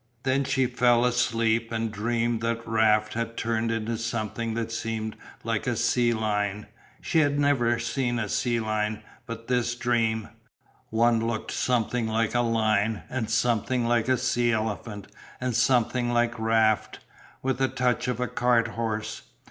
Then she fell asleep and dreamed that Raft had turned into something that seemed like a sea lion. She had never seen a sea lion, but this dream one looked something like a lion and something like a sea elephant and something like Raft with a touch of a carthorse.